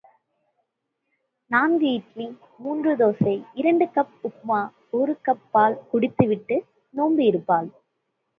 நான்கு இட்லி, மூன்று தோசை, இரண்டு கப் உப்புமா, ஒரு கப் பால் குடித்து விட்டு நோன்பு இருப்பாள்.